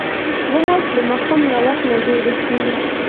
غوماشې د ماښام له وخت نه ډېرې شي.